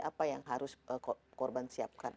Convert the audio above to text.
apa yang harus korban siapkan